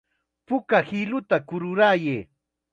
Puka hiluta kururayay.